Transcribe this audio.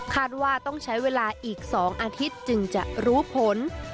ว่าต้องใช้เวลาอีก๒อาทิตย์จึงจะรู้ผล